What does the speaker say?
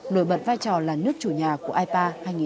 nổi bật vai trò là nước chủ nhà của ipa hai nghìn hai mươi